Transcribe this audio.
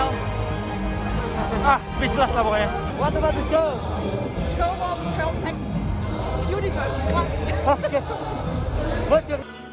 ah speechless lah pokoknya